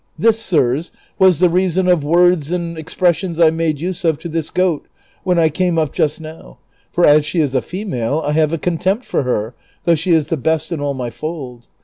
This, sirs, was the reason of worcfs and expressions I made use of to this goat when I came up just now^; for as she is a female I have a contempt for her, though she is the best in all my fold.